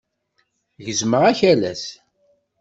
Gezmeɣ akalas.